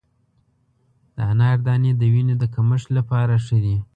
د انار دانې د وینې د کمښت لپاره ښه دي.